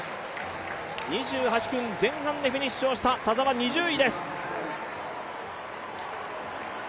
２８分前半でフィニッシュをした田澤、２０位です。